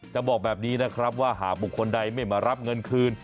จะบอกแบบนี้นะครับว่าหากบุคคลใดไม่มารับเงินคืน